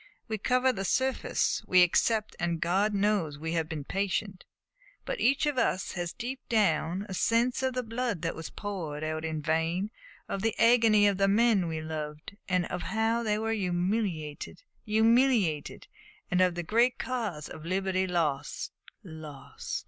We cover the surface, we accept, and God knows we have been patient; but each of us has deep down a sense of the blood that was poured out in vain, of the agony of the men we loved, of how they were humiliated humiliated, and of the great cause of liberty lost lost!"